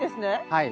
はい。